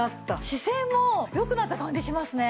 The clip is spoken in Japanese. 姿勢もよくなった感じしますね。